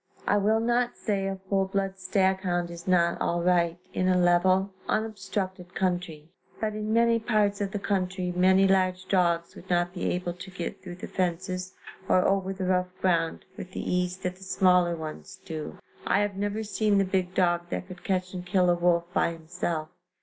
I will not say a full blood stag hound is not all right, in a level, unobstructed country, but in many parts of the country many large dogs would not be able to get thru the fences or over the rough ground with the ease that the smaller ones do. I have never seen the big dog that could catch and kill a wolf by himself.